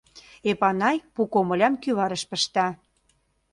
— Эпанай пу комылям кӱварыш пышта.